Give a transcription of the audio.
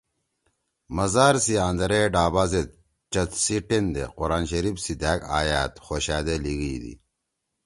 مزار سی اندرے ڈابا زید چت سی ٹیندے قرآن شریف سی دھأک أیأت خوشأدے لیگیئ دی